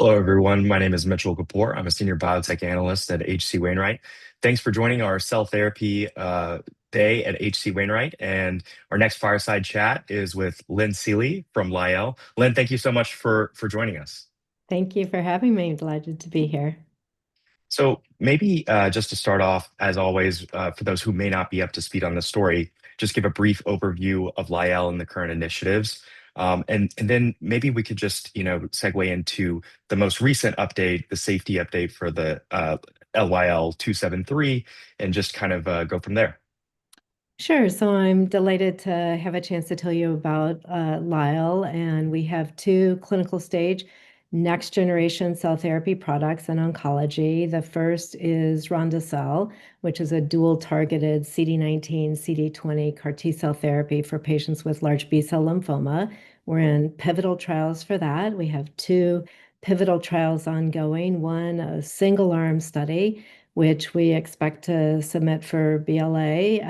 Hello, everyone. My name is Mitchell Kapoor. I'm a senior biotech analyst at H.C. Wainwright. Thanks for joining our cell therapy day at H.C. Wainwright. Our next fireside chat is with Lynn Seely from Lyell. Lynn, thank you so much for joining us. Thank you for having me. Delighted to be here. Maybe just to start off, as always, for those who may not be up to speed on the story, just give a brief overview of Lyell and the current initiatives. Then maybe we could just segue into the most recent update, the safety update for the LYL273, and just go from there. Sure. I'm delighted to have a chance to tell you about Lyell. We have two clinical stage next generation cell therapy products in oncology. The first is ronde-cel, which is a dual targeted CD19, CD20 CAR T-cell therapy for patients with large B-cell lymphoma. We're in pivotal trials for that. We have two pivotal trials ongoing. One, a single arm study, which we expect to submit for BLA,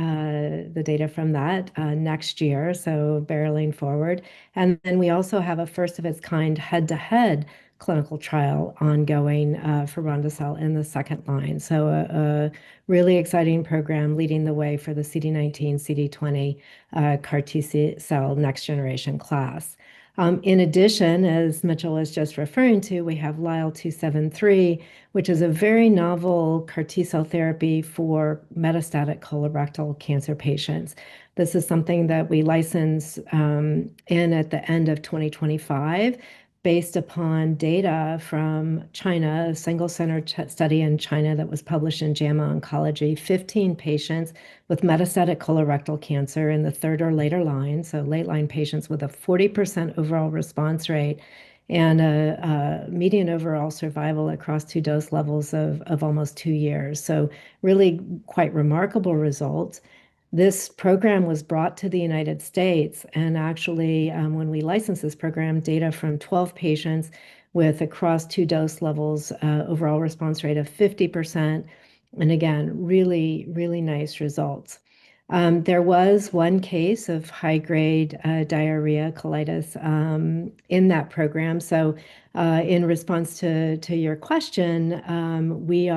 the data from that, next year, so barreling forward. Then we also have a first of its kind head-to-head clinical trial ongoing for ronde-cel in the second line. A really exciting program leading the way for the CD19, CD20 CAR T-cell next generation class. In addition, as Mitchell was just referring to, we have LYL273, which is a very novel CAR T-cell therapy for metastatic colorectal cancer patients. This is something that we licensed in at the end of 2025, based upon data from China, a single center study in China that was published in "JAMA Oncology," 15 patients with metastatic colorectal cancer in the third or later line, late line patients with a 40% overall response rate and a median overall survival across two dose levels of almost two years. Really quite remarkable results. This program was brought to the United States, and actually, when we licensed this program, data from 12 patients with across two dose levels, overall response rate of 50%, and again, really nice results. There was one case of high grade diarrhea colitis in that program, in response to your question, we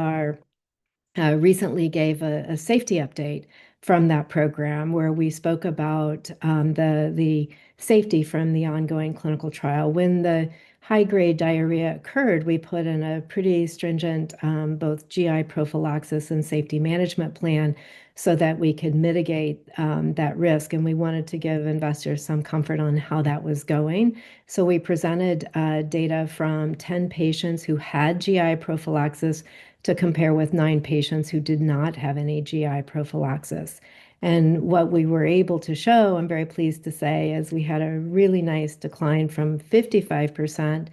recently gave a safety update from that program where we spoke about the safety from the ongoing clinical trial. When the high grade diarrhea occurred, we put in a pretty stringent both GI prophylaxis and safety management plan that we could mitigate that risk, and we wanted to give investors some comfort on how that was going. We presented data from 10 patients who had GI prophylaxis to compare with nine patients who did not have any GI prophylaxis. What we were able to show, I'm very pleased to say, is we had a really nice decline from 55%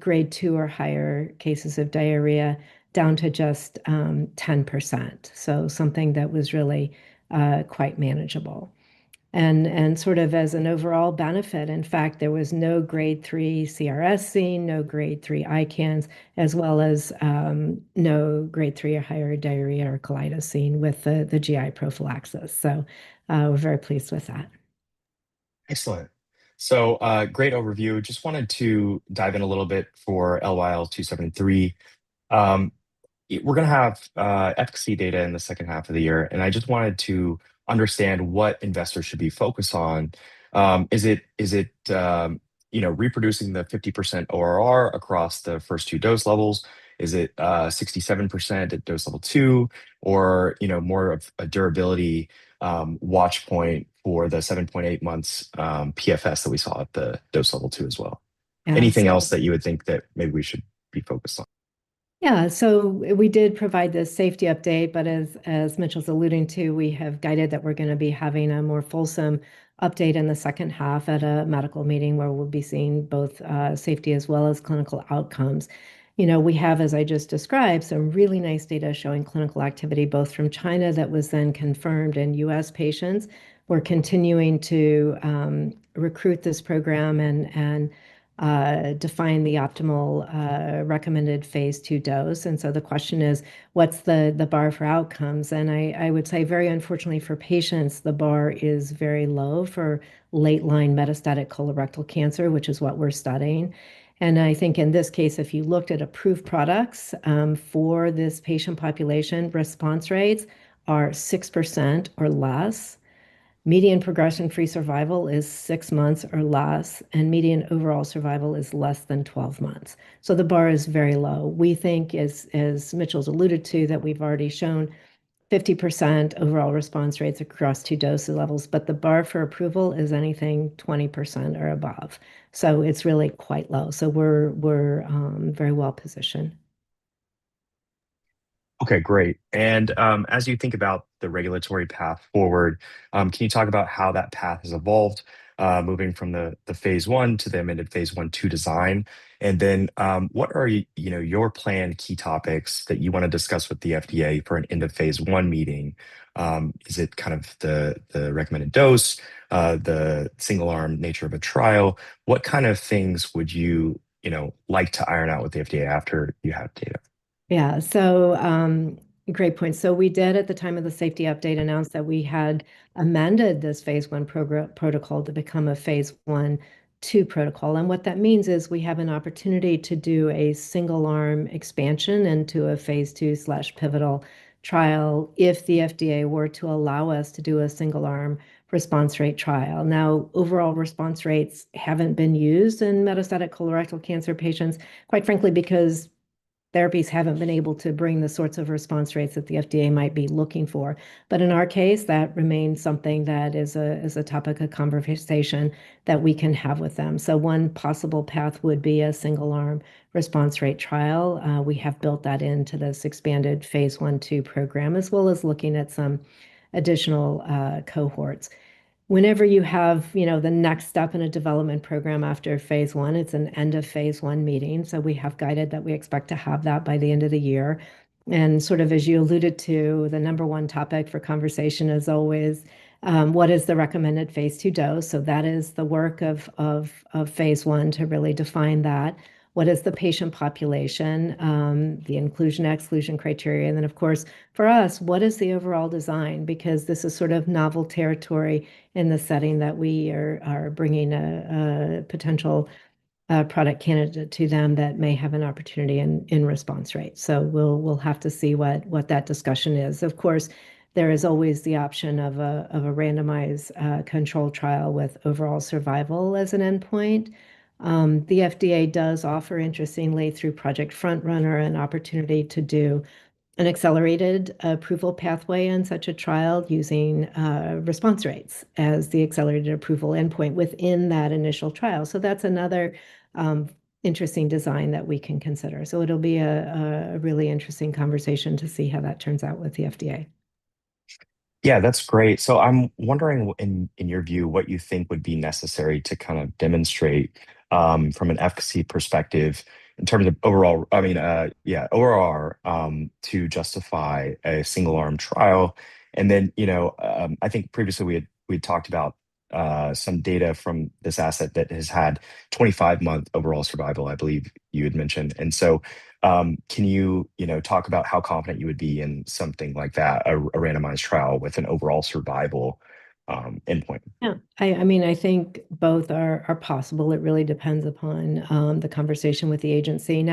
Grade 2 or higher cases of diarrhea, down to just 10%. Something that was really quite manageable. Sort of as an overall benefit, in fact, there was no Grade 3 CRS seen, no Grade 3 ICANS, as well as no Grade 3 or higher diarrhea or colitis seen with the GI prophylaxis. We're very pleased with that. Excellent. Great overview. Just wanted to dive in a little bit for LYL273. We're going to have efficacy data in the second half of the year, I just wanted to understand what investors should be focused on. Is it reproducing the 50% ORR across the first two dose levels? Is it 67% at Dose Level 2? More of a durability watch point for the 7.8 months PFS that we saw at the Dose Level 2 as well? Anything else that you would think that maybe we should be focused on? Yeah. We did provide the safety update, but as Mitchell's alluding to, we have guided that we're going to be having a more fulsome update in the second half at a medical meeting where we'll be seeing both safety as well as clinical outcomes. We have, as I just described, some really nice data showing clinical activity, both from China that was then confirmed in U.S. patients. We're continuing to recruit this program and define the optimal recommended phase II dose, the question is, what's the bar for outcomes? I would say very unfortunately for patients, the bar is very low for late line metastatic colorectal cancer, which is what we're studying. I think in this case, if you looked at approved products for this patient population, response rates are 6% or less. Median progression-free survival is six months or less, and median overall survival is less than 12 months. The bar is very low. We think, as Mitchell's alluded to, that we've already shown 50% overall response rates across two dosage levels, but the bar for approval is anything 20% or above. It's really quite low. We're very well positioned. As you think about the regulatory path forward, can you talk about how that path has evolved, moving from the phase I to the amended phase I-II design? What are your planned key topics that you want to discuss with the FDA for an end of phase I meeting? Is it kind of the recommended phase II dose? The single-arm nature of a trial? What kind of things would you like to iron out with the FDA after you have data? Great point. We did, at the time of the safety update, announce that we had amended this phase I protocol to become a phase I-II protocol. What that means is we have an opportunity to do a single-arm expansion into a phase II/pivotal trial if the FDA were to allow us to do a single-arm response rate trial. Now, overall response rates haven't been used in metastatic colorectal cancer patients, quite frankly, because therapies haven't been able to bring the sorts of response rates that the FDA might be looking for. In our case, that remains something that is a topic of conversation that we can have with them. One possible path would be a single-arm response rate trial. We have built that into this expanded phase I-II program, as well as looking at some additional cohorts. Whenever you have the next step in a development program after phase I, it's an end of phase I meeting. We have guided that we expect to have that by the end of the year. Sort of as you alluded to, the number one topic for conversation is always, what is the recommended phase II dose? That is the work of phase I to really define that. What is the patient population? The inclusion/exclusion criteria. Of course, for us, what is the overall design? Because this is sort of novel territory in the setting that we are bringing a potential product candidate to them that may have an opportunity in response rate. We'll have to see what that discussion is. Of course, there is always the option of a randomized controlled trial with overall survival as an endpoint. The FDA does offer, interestingly, through Project FrontRunner, an opportunity to do an accelerated approval pathway in such a trial using response rates as the accelerated approval endpoint within that initial trial. That's another interesting design that we can consider. It will be a really interesting conversation to see how that turns out with the FDA. Yeah, that's great. I am wondering, in your view, what you think would be necessary to kind of demonstrate from an efficacy perspective in terms of overall, ORR, to justify a single-arm trial. Then, I think previously we had talked about some data from this asset that has had 25-month overall survival, I believe you had mentioned. Can you talk about how confident you would be in something like that, a randomized trial with an overall survival endpoint? Yeah. I think both are possible. It really depends upon the conversation with the agency.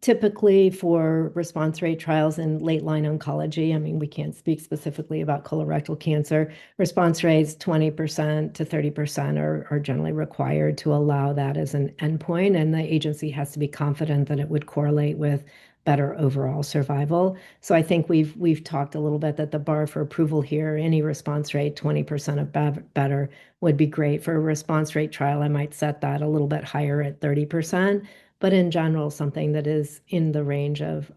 Typically for response rate trials in late line oncology, we cannot speak specifically about colorectal cancer, response rates 20%-30% are generally required to allow that as an endpoint, and the agency has to be confident that it would correlate with better overall survival. I think we have talked a little bit that the bar for approval here, any response rate 20% or better would be great. For a response rate trial, I might set that a little bit higher at 30%. In general, something that is in the range of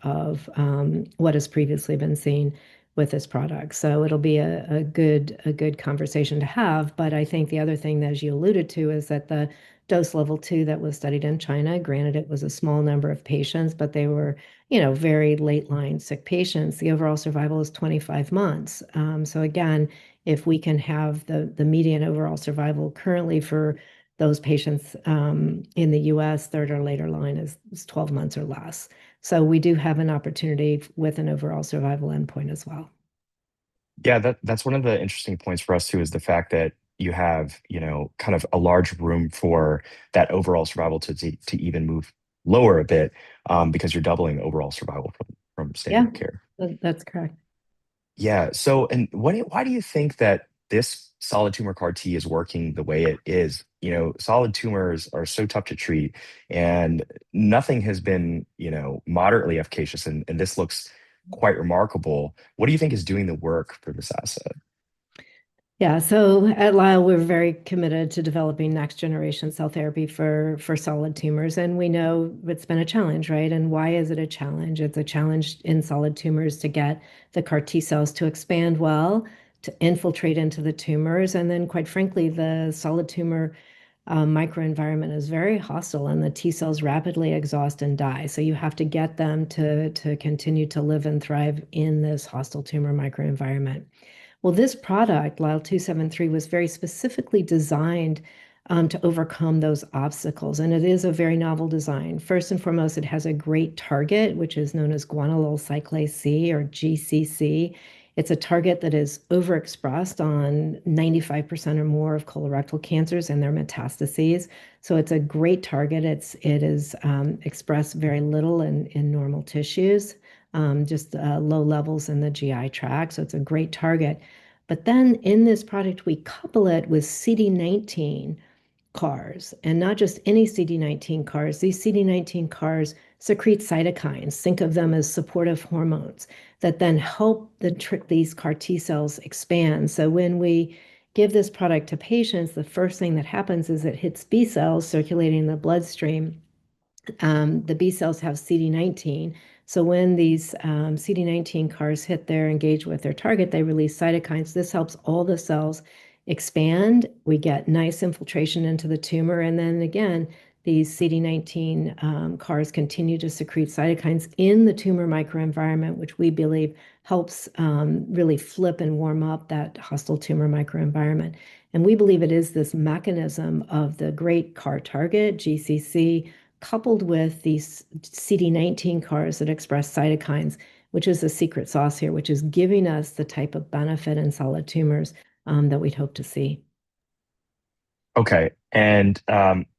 what has previously been seen with this product. It will be a good conversation to have. I think the other thing, as you alluded to, is that the Dose Level 2 that was studied in China, granted it was a small number of patients, but they were very late line sick patients. The overall survival is 25 months. Again, if we can have the median overall survival currently for those patients in the U.S., third or later line is 12 months or less. We do have an opportunity with an overall survival endpoint as well. Yeah. That's one of the interesting points for us, too, is the fact that you have kind of a large room for that overall survival to even move lower a bit, because you're doubling overall survival from- Yeah. Standard care. That's correct. Yeah. Why do you think that this solid tumor CAR-T is working the way it is? Solid tumors are so tough to treat, nothing has been moderately efficacious, and this looks quite remarkable. What do you think is doing the work for this asset? At Lyell, we're very committed to developing next generation cell therapy for solid tumors, and we know it's been a challenge, right? Why is it a challenge? It's a challenge in solid tumors to get the CAR-T cells to expand well to infiltrate into the tumors. Quite frankly, the solid tumor microenvironment is very hostile, and the T cells rapidly exhaust and die. You have to get them to continue to live and thrive in this hostile tumor microenvironment. This product, LYL273, was very specifically designed to overcome those obstacles, it is a very novel design. First and foremost, it has a great target, which is known as guanylyl cyclase C, or GCC. It's a target that is overexpressed on 95% or more of colorectal cancers and their metastases. It's a great target. It is expressed very little in normal tissues, just low levels in the GI tract, it's a great target. In this product, we couple it with CD19 CARs, not just any CD19 CARs. These CD19 CARs secrete cytokines. Think of them as supportive hormones that help these CAR-T cells expand. When we give this product to patients, the first thing that happens is it hits B cells circulating in the bloodstream. The B cells have CD19, when these CD19 CARs hit there, engage with their target, they release cytokines. This helps all the cells expand. We get nice infiltration into the tumor. Again, these CD19 CARs continue to secrete cytokines in the tumor microenvironment, which we believe helps really flip and warm up that hostile tumor microenvironment. We believe it is this mechanism of the great CAR target, GCC, coupled with these CD19 CARs that express cytokines, which is the secret sauce here, which is giving us the type of benefit in solid tumors that we'd hope to see. Can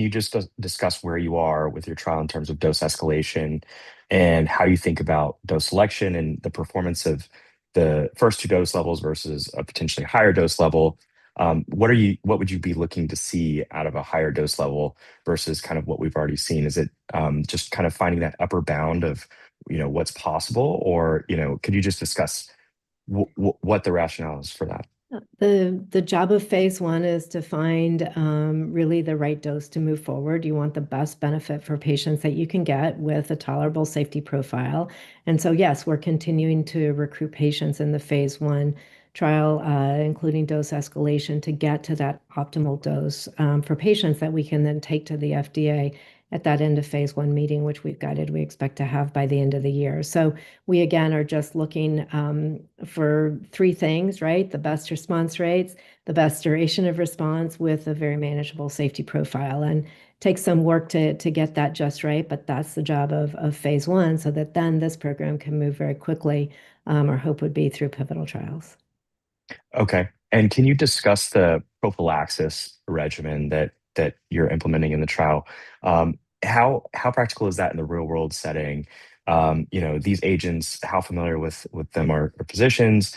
you just discuss where you are with your trial in terms of dose escalation and how you think about dose selection and the performance of the first two dose levels versus a potentially higher dose level? What would you be looking to see out of a higher dose level versus what we've already seen? Is it just finding that upper bound of what's possible? Could you just discuss what the rationale is for that? The job of phase I is to find really the right dose to move forward. You want the best benefit for patients that you can get with a tolerable safety profile. Yes, we're continuing to recruit patients in the phase I trial, including dose escalation to get to that optimal dose for patients that we can then take to the FDA at that end of phase I meeting, which we've guided, we expect to have by the end of the year. We, again, are just looking for three things, right? The best response rates, the best duration of response with a very manageable safety profile, and takes some work to get that just right, but that's the job of phase I so that then this program can move very quickly, our hope would be through pivotal trials. Okay. Can you discuss the prophylaxis regimen that you're implementing in the trial? How practical is that in the real-world setting? These agents, how familiar with them are physicians?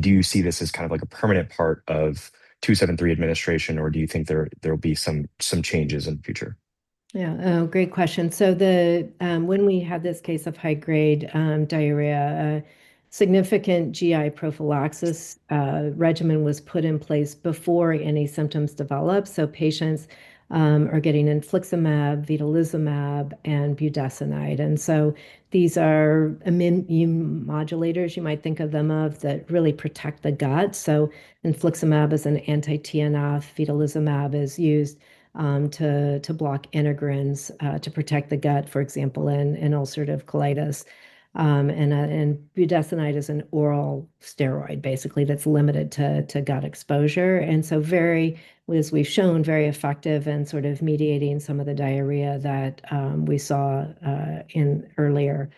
Do you see this as a permanent part of LYL273 administration or do you think there'll be some changes in future? Yeah. Great question. When we had this case of high-grade diarrhea, a significant GI prophylaxis regimen was put in place before any symptoms developed. Patients are getting infliximab, vedolizumab, and budesonide. These are immunomodulators, you might think of them of, that really protect the gut. Infliximab is an anti-TNF, vedolizumab is used to block integrins to protect the gut, for example, in ulcerative colitis. Budesonide is an oral steroid, basically, that's limited to gut exposure. As we've shown, very effective in sort of mediating some of the diarrhea that we saw earlier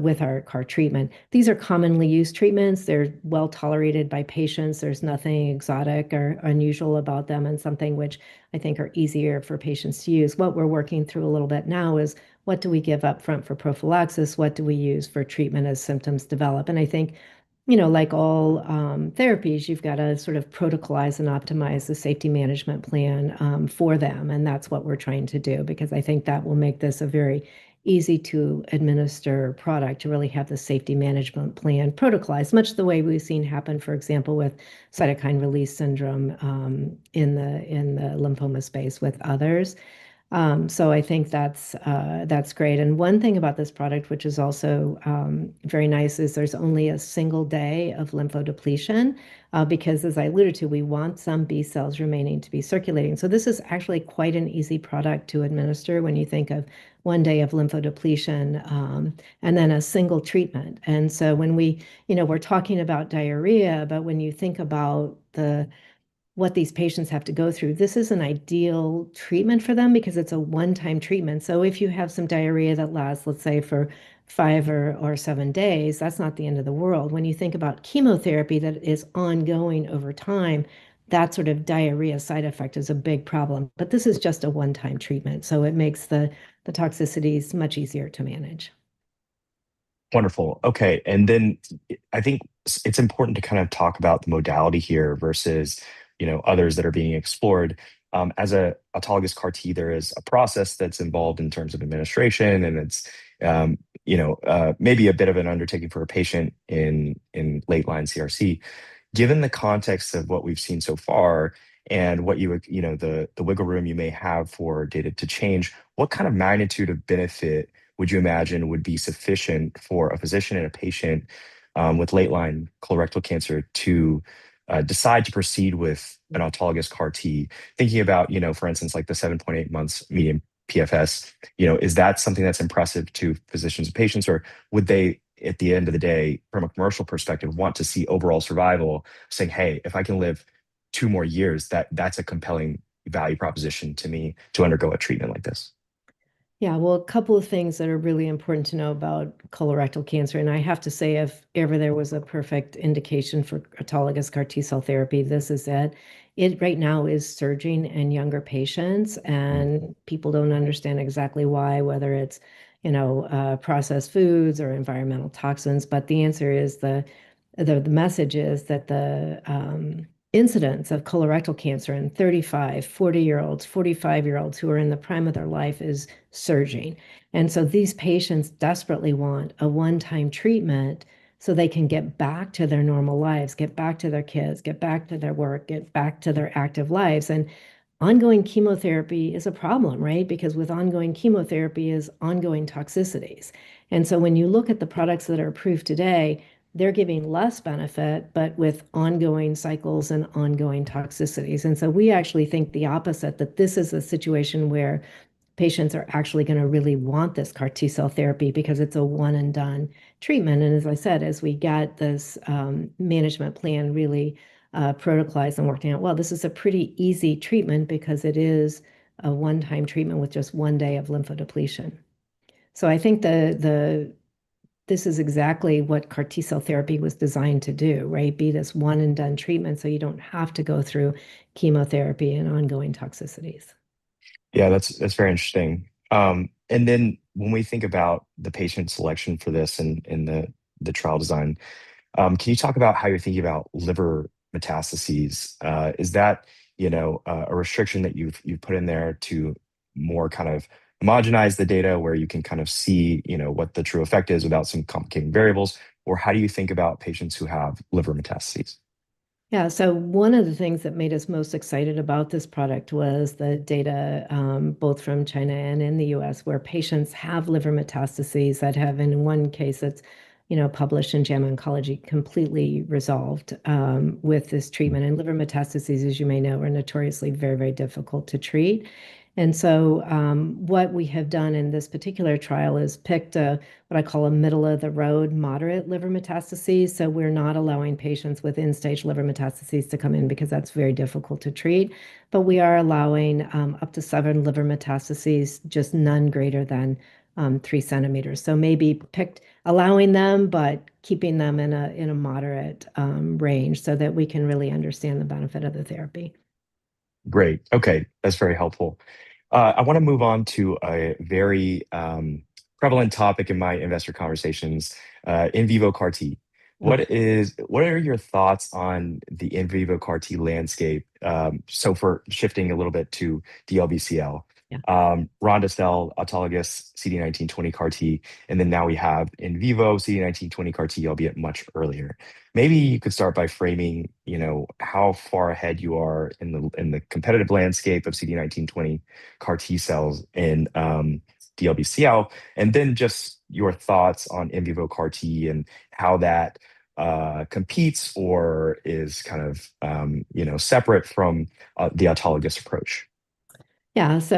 with our CAR-T treatment. These are commonly used treatments. They're well-tolerated by patients. There's nothing exotic or unusual about them, and something which I think are easier for patients to use. What we're working through a little bit now is what do we give upfront for prophylaxis? What do we use for treatment as symptoms develop? I think, like all therapies, you've got to protocolize and optimize the safety management plan for them, and that's what we're trying to do because I think that will make this a very easy-to-administer product to really have the safety management plan protocolized, much the way we've seen happen, for example, with cytokine release syndrome in the lymphoma space with others. I think that's great. One thing about this product which is also very nice is there's only a single day of lymphodepletion, because as I alluded to, we want some B cells remaining to be circulating. This is actually quite an easy product to administer when you think of one day of lymphodepletion and then a single treatment. We're talking about diarrhea, when you think about what these patients have to go through, this is an ideal treatment for them because it's a one-time treatment. If you have some diarrhea that lasts, let's say, for five or seven days, that's not the end of the world. When you think about chemotherapy that is ongoing over time, that sort of diarrhea side effect is a big problem. This is just a one-time treatment, it makes the toxicities much easier to manage. Wonderful. Okay. I think it's important to talk about the modality here versus others that are being explored. As an autologous CAR-T, there is a process that's involved in terms of administration, and it's maybe a bit of an undertaking for a patient in late-line CRC. Given the context of what we've seen so far and the wiggle room you may have for data to change, what kind of magnitude of benefit would you imagine would be sufficient for a physician and a patient with late-line colorectal cancer to decide to proceed with an autologous CAR-T? Thinking about, for instance, the 7.8 months median PFS. Is that something that's impressive to physicians and patients or would they, at the end of the day, from a commercial perspective, want to see overall survival, saying, "Hey, if I can live two more years, that's a compelling value proposition to me to undergo a treatment like this"? Yeah. Well, a couple of things that are really important to know about colorectal cancer, and I have to say if ever there was a perfect indication for autologous CAR-T cell therapy, this is it. It right now is surging in younger patients, and people don't understand exactly why, whether it's processed foods or environmental toxins. The message is that the incidence of colorectal cancer in 35, 40 year olds, 45 year olds who are in the prime of their life is surging. These patients desperately want a one-time treatment so they can get back to their normal lives, get back to their kids, get back to their work, get back to their active lives. Ongoing chemotherapy is a problem, right? Because with ongoing chemotherapy is ongoing toxicities. When you look at the products that are approved today, they're giving less benefit, but with ongoing cycles and ongoing toxicities. We actually think the opposite, that this is a situation where patients are actually going to really want this CAR-T cell therapy because it's a one-and-done treatment. As I said, as we get this management plan really protocolized and working out well, this is a pretty easy treatment because it is a one-time treatment with just one day of lymphodepletion. I think this is exactly what CAR- T cell therapy was designed to do. Be this one-and-done treatment so you don't have to go through chemotherapy and ongoing toxicities. Yeah, that's very interesting. When we think about the patient selection for this and the trial design, can you talk about how you're thinking about liver metastases? Is that a restriction that you've put in there to more kind of homogenize the data where you can kind of see what the true effect is without some complicating variables? Or how do you think about patients who have liver metastases? Yeah. One of the things that made us most excited about this product was the data, both from China and in the U.S., where patients have liver metastases that have, in one case that's published in "JAMA Oncology," completely resolved with this treatment. Liver metastases, as you may know, are notoriously very difficult to treat. What we have done in this particular trial is picked a, what I call a middle-of-the-road moderate liver metastases. We're not allowing patients with end-stage liver metastases to come in because that's very difficult to treat. We are allowing up to seven liver metastases, just none greater than 3 cm. Maybe allowing them, but keeping them in a moderate range so that we can really understand the benefit of the therapy. Great. Okay. That's very helpful. I want to move on to a very prevalent topic in my investor conversations, in vivo CAR-T. What are your thoughts on the in vivo CAR-T landscape? For shifting a little bit to DLBCL. Yeah. Ronde-cel autologous CD19/CD20 CAR-T, now we have in vivo CD19/CD20 CAR-T, albeit much earlier. Maybe you could start by framing how far ahead you are in the competitive landscape of CD19/CD20 CAR-T cells in DLBCL, just your thoughts on in vivo CAR-T and how that competes or is kind of separate from the autologous approach. Yes,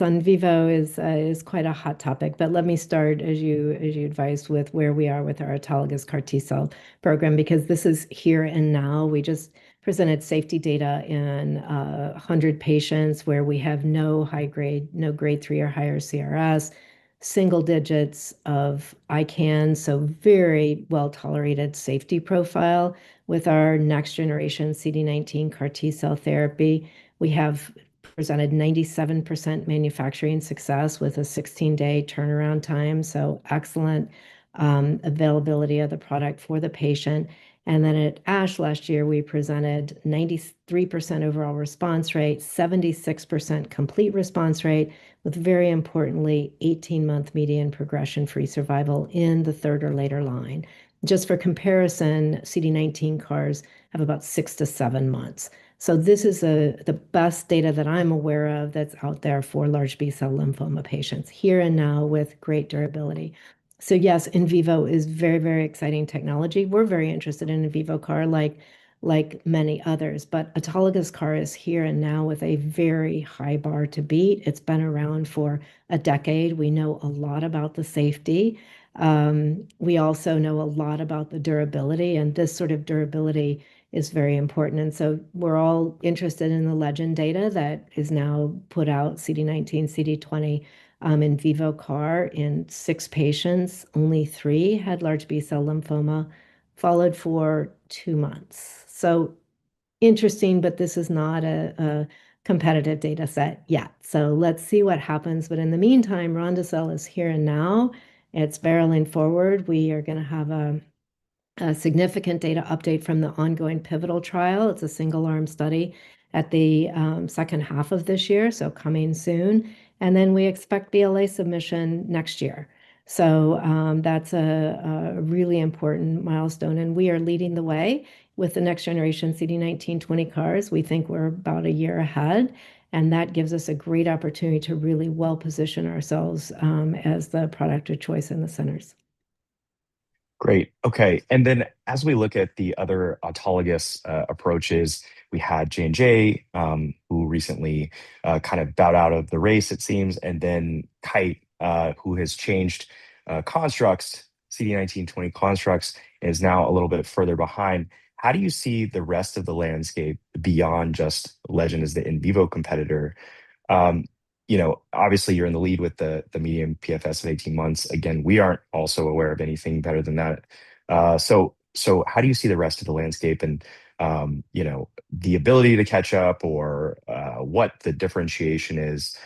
in vivo is quite a hot topic. Let me start, as you advised, with where we are with our autologous CAR- T cell program because this is here and now. We just presented safety data in 100 patients where we have no Grade 3 or higher CRS, single digits of ICANS, very well-tolerated safety profile with our next generation CD19 CAR-T cell therapy. We have presented 97% manufacturing success with a 16-day turnaround time, excellent availability of the product for the patient. At ASH last year, we presented 93% overall response rate, 76% complete response rate with, very importantly, 18-month median progression-free survival in the third or later line. Just for comparison, CD19 CARs have about six to seven months. This is the best data that I'm aware of that's out there for large B-cell lymphoma patients here and now with great durability. Yes, in vivo is very exciting technology. We're very interested in in vivo CAR-T like many others, autologous CAR-T is here and now with a very high bar to beat. It's been around for a decade. We know a lot about the safety. We also know a lot about the durability, and this sort of durability is very important. We're all interested in the Legend data that is now put out CD19/CD20 in vivo CAR-T in six patients. Only three had large B-cell lymphoma, followed for two months. Interesting, this is not a competitive data set yet. Let's see what happens. In the meantime, ronde-cel is here and now. It's barreling forward. We are going to have a significant data update from the ongoing pivotal trial. It's a single-arm study at the second half of this year, coming soon. We expect BLA submission next year. That's a really important milestone, and we are leading the way with the next generation CD19/CD20 CARs. We think we're about a year ahead, and that gives us a great opportunity to really well position ourselves as the product of choice in the centers. Great. Okay. As we look at the other autologous approaches, we had J&J, who recently kind of bowed out of the race it seems, and then Kite, who has changed constructs, CD19/CD20 constructs, and is now a little bit further behind. How do you see the rest of the landscape beyond just Legend as the in vivo competitor? Obviously you're in the lead with the median PFS of 18 months. Again, we aren't also aware of anything better than that. How do you see the rest of the landscape and the ability to catch up or what the differentiation is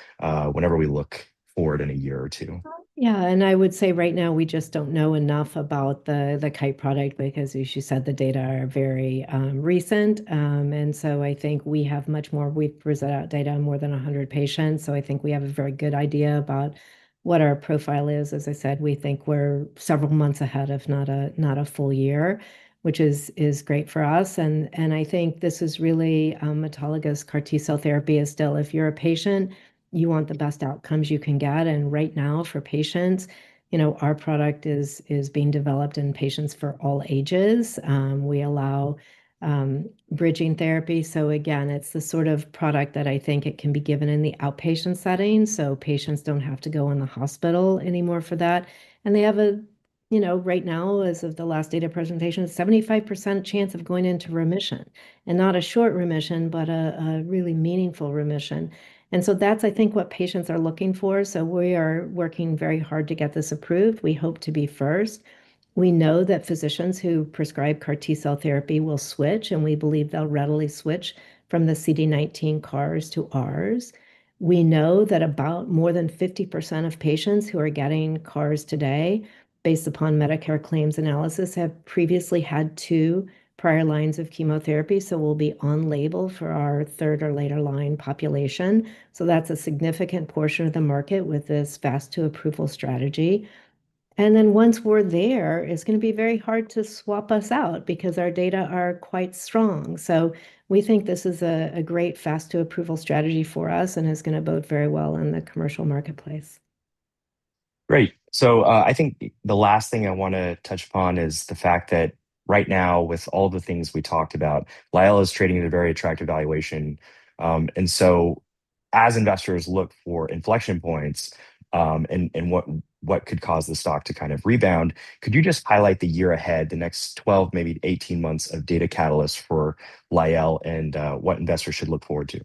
whenever we look forward in a year or two? Yeah. I would say right now we just don't know enough about the Kite product because, as you said, the data are very recent. I think we've presented data on more than 100 patients, so I think we have a very good idea about what our profile is. As I said, we think we're several months ahead if not a full year, which is great for us. I think this is really autologous CAR-T cell therapy is still, if you're a patient, you want the best outcomes you can get. Right now for patients, our product is being developed in patients for all ages. We allow bridging therapy. Again, it's the sort of product that I think it can be given in the outpatient setting, so patients don't have to go in the hospital anymore for that. Right now, as of the last data presentation, 75% chance of going into remission, and not a short remission, but a really meaningful remission. That's, I think, what patients are looking for. We are working very hard to get this approved. We hope to be first. We know that physicians who prescribe CAR-T cell therapy will switch, and we believe they'll readily switch from the CD19 CARs to ours. We know that about more than 50% of patients who are getting CARs today, based upon Medicare claims analysis, have previously had two prior lines of chemotherapy, so we'll be on label for our third or later line population. That's a significant portion of the market with this fast to approval strategy. Once we're there, it's going to be very hard to swap us out because our data are quite strong. We think this is a great fast to approval strategy for us and is going to bode very well in the commercial marketplace. Great. I think the last thing I want to touch upon is the fact that right now, with all the things we talked about, Lyell is trading at a very attractive valuation. As investors look for inflection points, and what could cause the stock to kind of rebound, could you just highlight the year ahead, the next 12, maybe 18 months of data catalysts for Lyell and what investors should look forward to?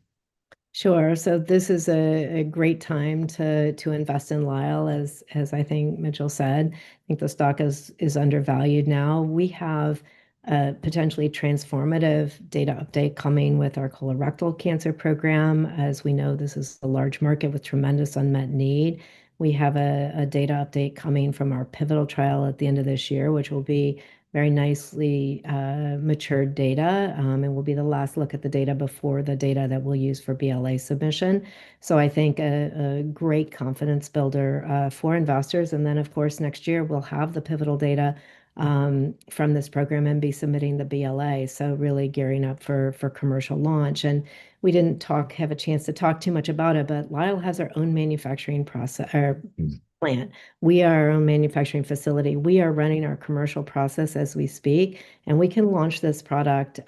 Sure. This is a great time to invest in Lyell, as I think Mitchell said. I think the stock is undervalued now. We have a potentially transformative data update coming with our colorectal cancer program. As we know, this is a large market with tremendous unmet need. We have a data update coming from our pivotal trial at the end of this year, which will be very nicely matured data, and will be the last look at the data before the data that we'll use for BLA submission. I think a great confidence builder for investors. Then, of course, next year we'll have the pivotal data from this program and be submitting the BLA, really gearing up for commercial launch. We didn't have a chance to talk too much about it, but Lyell has our own manufacturing plant. We are our own manufacturing facility. We are running our commercial process as we speak, and we can launch this product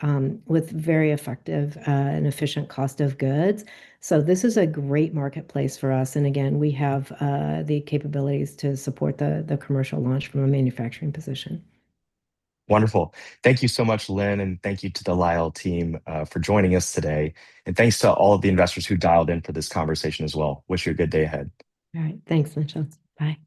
with very effective and efficient cost of goods. This is a great marketplace for us. Again, we have the capabilities to support the commercial launch from a manufacturing position. Wonderful. Thank you so much, Lynn, thank you to the Lyell team for joining us today. Thanks to all of the investors who dialed in for this conversation as well. Wish you a good day ahead. All right. Thanks, Mitchell. Bye